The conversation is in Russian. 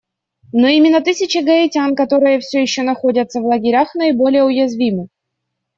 Но именно тысячи гаитян, которые все еще находятся в лагерях, наиболее уязвимы.